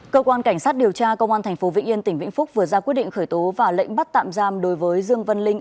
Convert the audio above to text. cơ quan cảnh sát điều tra công an tp vĩnh yên tỉnh vĩnh phúc vừa ra quyết định khởi tố và lệnh bắt tạm giam đối với dương vân linh